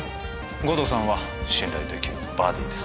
護道さんは信頼できるバディです